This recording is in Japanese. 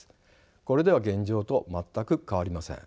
これでは現状と全く変わりません。